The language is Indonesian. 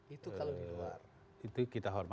itu kalau di luar